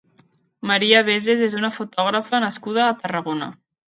Maria Veses és una fotògrafa nascuda a Tarragona.